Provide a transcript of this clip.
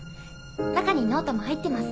中にノートも入ってます。